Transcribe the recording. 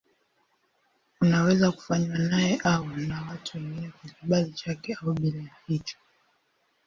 Unaweza kufanywa naye au na watu wengine kwa kibali chake au bila ya hicho.